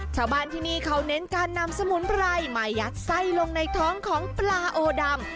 ชาวบ้านที่นี่เขาเน้นการนำสมุนไพรมายัดไส้ลงในท้องของปลาโอดำ